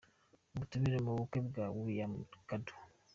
Ubutumire mu bukwe bwa William Kadu.